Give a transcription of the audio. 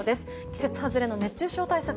季節外れの熱中症対策